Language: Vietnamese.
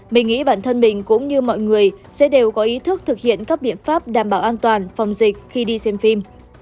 mình nghĩ bản thân mình cũng như mọi người sẽ đều có ý thức thực hiện các biện pháp đảm bảo an toàn phòng dịch khi đi xem phim